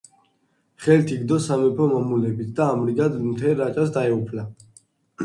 ხელთ იგდო სამეფო მამულებიც და ამრიგად მთელ რაჭას დაეუფლა.